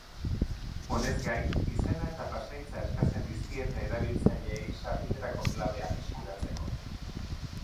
Honez gain, izena eta pasahitza eskatzen dizkeie erabiltzaileei sarbiderako klabeak eskuratzeko.